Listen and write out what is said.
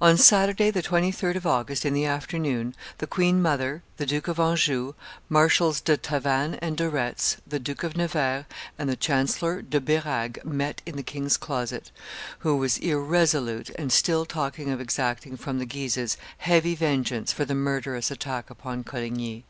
On Saturday, the 23d of August, in the afternoon, the queen mother, the Duke of Anjou, Marshals do Tavannes and de Retz, the Duke of Nevers, and the Chancellor de Birague met in the king's closet, who was irresolute and still talking of exacting from the Guises heavy vengeance for the murderous attack upon Coligny.